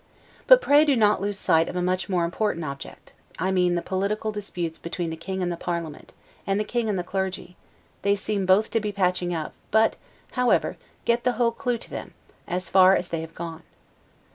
But pray do not lose sight of a much more important object, I mean the political disputes between the King and the parliament, and the King and the clergy; they seem both to be patching up; but, however, get the whole clue to them, as far as they have gone.